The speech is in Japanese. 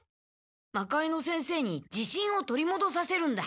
魔界之先生にじしんを取りもどさせるんだ。